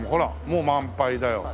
もう満杯だよ。